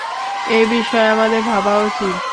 এ বিষয়ে আমাদের ভাবা উচিত।